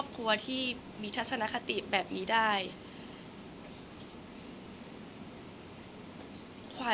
คนเราถ้าใช้ชีวิตมาจนถึงอายุขนาดนี้แล้วค่ะ